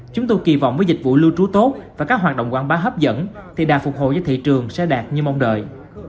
chúng tôi kỳ vọng với dịch vụ lưu trú tốt và các hoạt động quảng bá hấp dẫn thì đà phục hồi cho thị trường sẽ đạt như mong đợi